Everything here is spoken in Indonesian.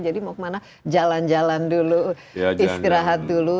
jadi mau kemana jalan jalan dulu istirahat dulu